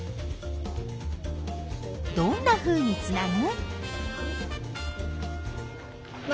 どんなふうにつなぐ？